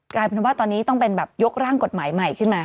กลายเป็นว่าตอนนี้ต้องเป็นแบบยกร่างกฎหมายใหม่ขึ้นมา